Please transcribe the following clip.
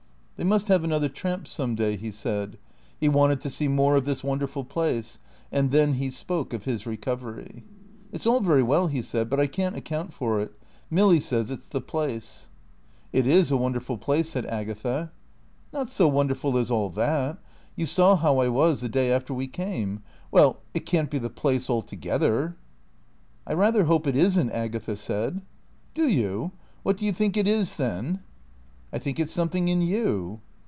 They must have another tramp some day, he said. He wanted to see more of this wonderful place. And then he spoke of his recovery. "It's all very well," he said, "but I can't account for it. Milly says it's the place." "It is a wonderful place," said Agatha. "Not so wonderful as all that. You saw how I was the day after we came. Well it can't be the place altogether." "I rather hope it isn't," Agatha said. "Do you? What do you think it is, then?" "I think it's something in you."